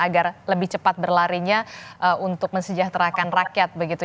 agar lebih cepat berlarinya untuk mensejahterakan rakyat begitu